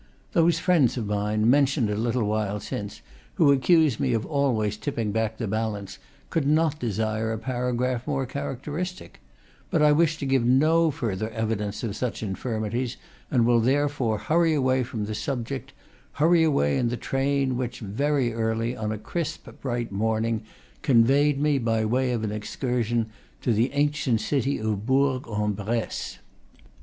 Those friends of mine, mentioned a little while since, who accuse me of always tipping back the balance, could not desire a paragraph more characteristic; but I wish to give no further evi dence of such infirmities, and will therefore hurry away from the subject, hurry away in the train which, very early on a crisp, bright morning, conveyed. me, by way of an excursion, to the ancient city of Bourg en Bresse.